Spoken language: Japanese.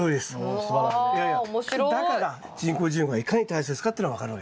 だから人工授粉がいかに大切かってのが分かるわけですね。